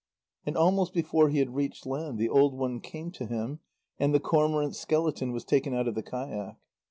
And almost before he had reached land, the old one came to him, and the cormorant skeleton was taken out of the kayak.